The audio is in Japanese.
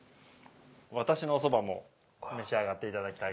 私のおそばも召し上がっていただきたい。